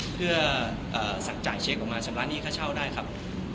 เพื่อสั่งจ่ายเช็คออกมาชำระหนี้ค่าเช่าได้ครับ